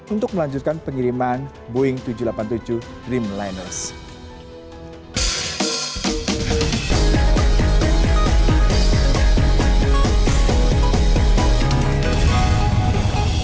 untuk melanjutkan pengiriman boeing tujuh ratus delapan puluh tujuh dreamliners